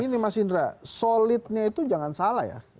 ini mas indra solidnya itu jangan salah ya